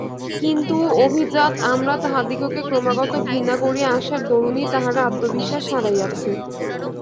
কিন্তু অভিজাত আমরা তাহাদিগকে ক্রমাগত ঘৃণা করিয়া আসার দরুনই তাহারা আত্মবিশ্বাস হারাইয়াছে।